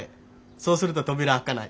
そうすると扉開かない。